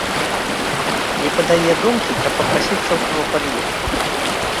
Не падае думкі, каб папрасіцца ў каго пад'ехаць.